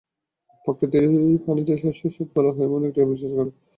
প্রকৃতির পানিতে শস্যের স্বাদ ভালো হয়—এমন একটা বিশ্বাস অরিত্রের মধ্যেও আছে।